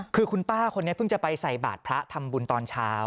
คือคุณป้าคนนี้เพิ่งจะไปใส่บาทพระทำบุญตอนเช้า